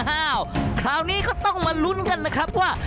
คราวนี้ก็ต้องมาลุ้นกันนะครับว่า